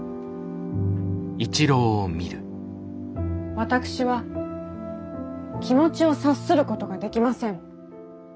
私は気持ちを察することができません。